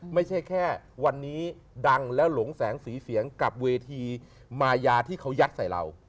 ไม่ใช่แค่วันนี้ดังแล้วหลงแสงสีเสียงกับเวทีมายาที่เขายัดใส่เรา